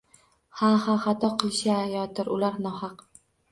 Ha-ha, xato qilishayotir, ular nohaq!